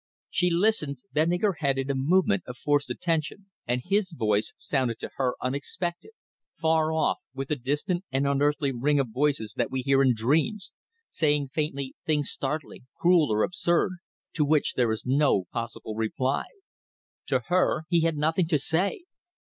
She listened bending her head in a movement of forced attention; and his voice sounded to her unexpected, far off, with the distant and unearthly ring of voices that we hear in dreams, saying faintly things startling, cruel or absurd, to which there is no possible reply. To her he had nothing to say!